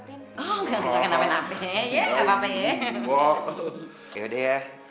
iya maaf ya tante ngerepotin